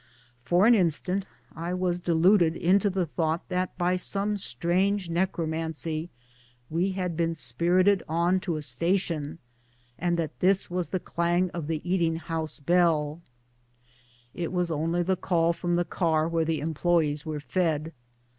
For an instant I was deluded into the A WINTER'S JOURNEY ACROSS THE PLAINS. 257 thoiigbt that by some strange necromancy we had been spirited on to a station, and that this was the clang of the eating house bell. It was only the call from the car where the employes were fed.